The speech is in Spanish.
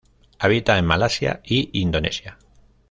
Habita en Malasia y Indonesia.